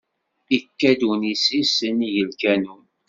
Ikka-d unessis s nnig lkanun.